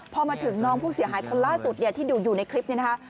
พอมาถึงน้องผู้เสียหายคนล่าสุดเนี่ยที่ดูอยู่ในคลิปนี้นะคะ